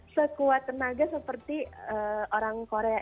sekuat tenaga seperti orang korea